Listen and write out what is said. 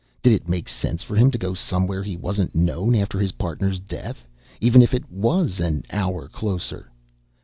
Did it make sense for him to go somewhere he wasn't known after his partner's death, even if it was an hour closer?